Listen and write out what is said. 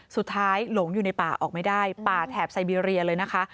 หลงอยู่ในป่าออกไม่ได้ป่าแถบไซเบียเลยนะคะ